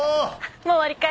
もう終わりかい？